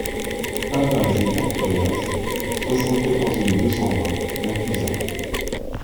Impasse des Tarteriaz, soixante-quatorze mille deux cent vingt La Clusaz